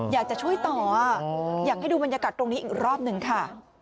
อยากจะช่วยต่ออยากให้ดูบรรยากาศตรงนี้อีกรอบหนึ่งค่ะ